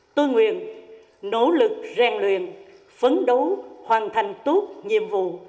tôi nguyện nỗ lực rèn luyện phấn đấu hoàn thành tốt nhiệm vụ